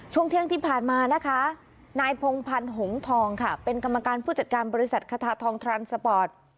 ช่วงเที่ยงที่ผ่านมานะคะนายพงพันธ์หงทองค่ะเป็นกรรมการผู้จัดการบริษัทคาถาทองทรานสปอร์ต